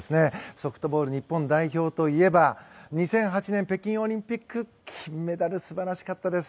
ソフトボール日本代表といえば２００８年北京オリンピックの金メダルは素晴らしかったです。